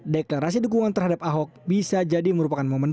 deklarasi dukungan terhadap ahok bisa jadi merupakan momen